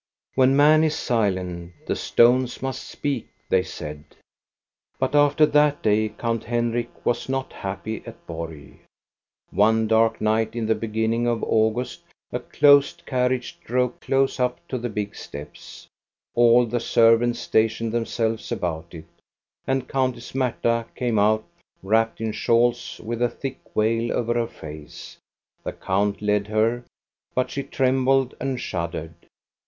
"When man is silent, the stones must speak,*' they said. But after that day Count Henrik was not happy 336 THE STORY OF GOSTA BE RUNG at Borg. One dark night in the beginning of August a closed carriage drove close up to the big steps. All the servants stationed themselves about it, and Countess Marta came out wrapped in shawls with a thick veil over her face. The count led her, but she trembled and shuddered.